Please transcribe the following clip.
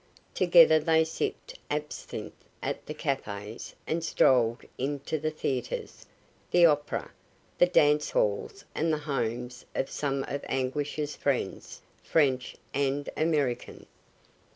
Together they sipped absinthe at the cafes and strolled into the theaters, the opera, the dance halls and the homes of some of Anguish's friends, French and American.